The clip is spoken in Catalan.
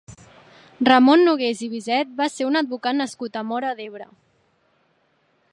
Ramon Nogués i Biset va ser un advocat nascut a Móra d'Ebre.